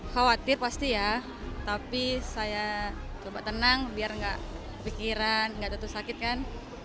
khawatir pasti ya tapi saya coba tenang biar nggak pikiran nggak tentu sakit kan